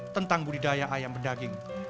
tentang budidaya ayam berdaging